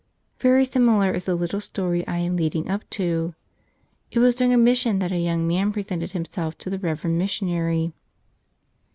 Very similar is the little story I am leading up to. It was during a mission that a young man presented himself to the Reverend Missionary.